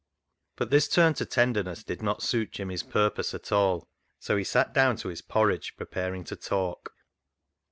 But this turn to tenderness did not suit Jimmy's pur pose at all, so he sat down to his porridge, preparing to talk.